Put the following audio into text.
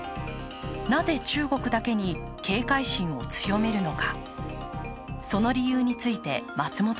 なぜ、中国だけに警戒心を強めるのか。